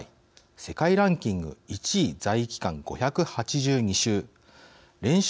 世界ランキング１位在位期間５８２週連勝